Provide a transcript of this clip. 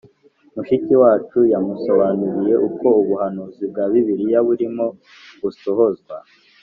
mushiki wacu yamusobanuriye uko ubuhanuzi bwa Bibiliya burimo busohozwa